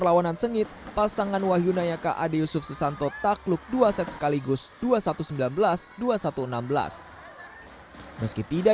langit pasangan wahyu nayaka ade yusuf sesanto takluk dua set sekaligus dua ratus sembilan belas dua puluh satu enam belas meski tidak